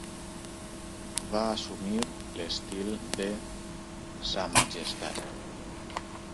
Va assumir l'estil de "Sa majestat".